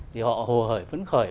thì họ hồ hởi phấn khởi